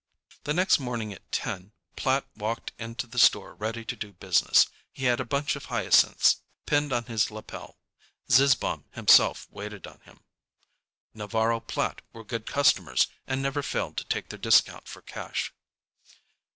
The next morning at 10 Platt walked into the store ready to do business. He had a bunch of hyacinths pinned on his lapel. Zizzbaum himself waited on him. Navarro & Platt were good customers, and never failed to take their discount for cash.